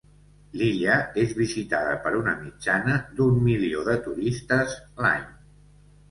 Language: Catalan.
L'illa és visitada per una mitjana d'un milió de turistes l'any.